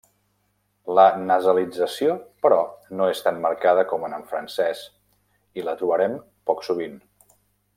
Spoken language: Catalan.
La nasalització, però, no és tan marcada com en francès i la trobarem poc sovint.